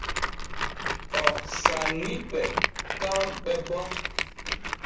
O sanni ɓe kanɓe bo.